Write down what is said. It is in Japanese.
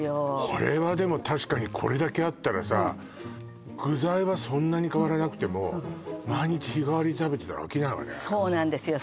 これはでも確かにこれだけあったらさ具材はそんなに変わらなくても毎日日替わりで食べてたら飽きないわねそうなんですよ